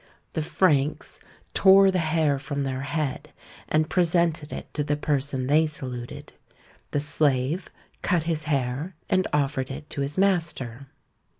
The Franks tore the hair from their head, and presented it to the person they saluted. The slave cut his hair, and offered it to his master.